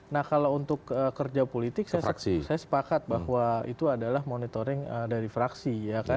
nah kalau untuk kerja politik saya sepakat bahwa itu adalah monitoring dari fraksi